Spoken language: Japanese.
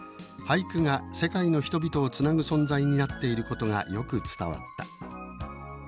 「俳句が世界の人々をつなぐ存在になっていることがよく伝わった」